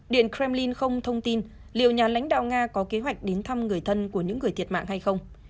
điện kremlin không thông tin liệu nhà lãnh đạo nga có kế hoạch đến thăm người thân của những người thiệt mạng hay không